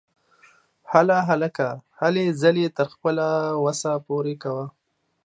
هله هلکه ! هلې ځلې تر خپلې وسې پوره کوه!